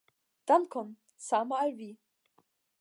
Dankon, same al vi!